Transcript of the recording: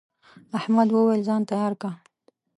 احمد وويل: ځان تیار که.